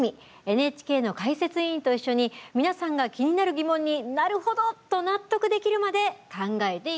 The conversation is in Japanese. ＮＨＫの解説委員と一緒に皆さんが気になる疑問に「なるほど！」と納得できるまで考えていきます。